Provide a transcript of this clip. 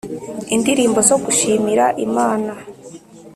indirimbo zo gushimira Imana